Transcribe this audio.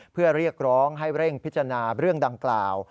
เพื่อเรียกร้องให้เร่งพิจารณาเรื่องดังกล่าว